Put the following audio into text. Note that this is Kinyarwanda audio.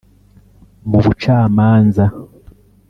mu bucamanza